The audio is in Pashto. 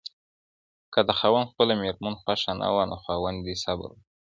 که د خاوند خپله ميرمن خوښه نه وه، نو خاوند دي صبر وکړي